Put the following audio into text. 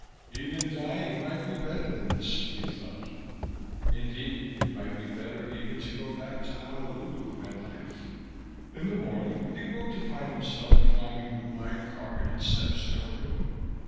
Even dying might be better than this, he thought. Indeed, it might be better even to go back to Honolulu and life. In the morning he woke to find himself climbing the wide, carpeted steps to her room.